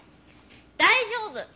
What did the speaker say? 大丈夫。